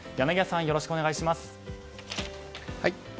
よろしくお願いします。